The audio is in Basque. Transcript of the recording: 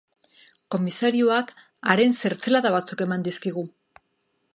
Komisarioak haren zertzelada batzuk eman dizkigu.